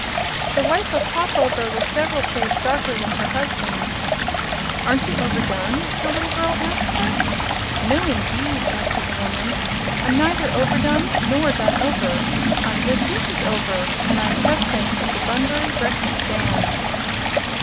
The wife of Pop Over was several shades darker than her husband. "Aren't you overdone?" the little girl asked her. "No indeed," answered the woman. "I'm neither overdone nor done over; I'm just Mrs. Over, and I'm the President of the Bunbury Breakfast Band."